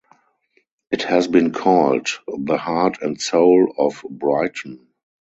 It has been called "the heart and soul of Brighton".